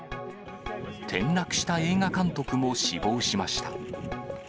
転落した映画監督も死亡しました。